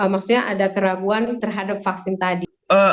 maksudnya ada keraguan terhadap vaksin tadi